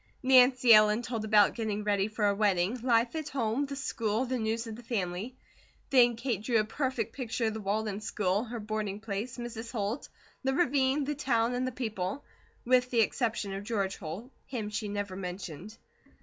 Nancy Ellen told about getting ready for her wedding, life at home, the school, the news of the family; the Kate drew a perfect picture of the Walden school, her boarding place, Mrs. Holt, the ravine, the town and the people, with the exception of George Holt him she never mentioned.